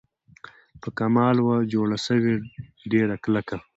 په کمال وه جوړه سوې ډېره کلکه